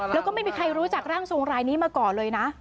แล้วก็ไม่มีใครรู้จักร่างทรงรายนี้มาก่อนเลยนะ